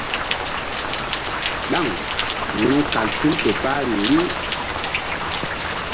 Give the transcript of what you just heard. Ɗaŋ ru̧kal tul fe kpahri riw.